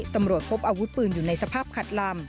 ตำรวจพบอาวุธปืนอยู่ในสภาพขัดลำ